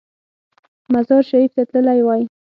مزار شریف ته تللی وای.